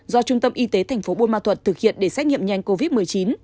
do trung tâm y tế thành phố buôn ma thuật thực hiện để xét nghiệm nhanh covid một mươi chín